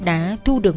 đã thu được